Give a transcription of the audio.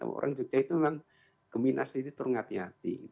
orang jogja itu memang geminasi itu turun hati hati